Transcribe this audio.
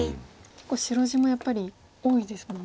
結構白地もやっぱり多いですもんね。